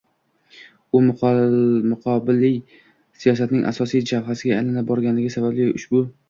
va muqobil siyosatning asosiy jabhasiga aylana borganligi sababli, ushbu